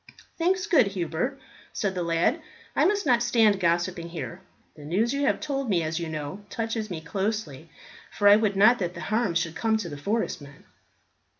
"Thanks, good Hubert," said the lad. "I must not stand gossiping here. The news you have told me, as you know, touches me closely, for I would not that harm should come to the forest men."